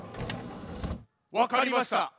わかりました。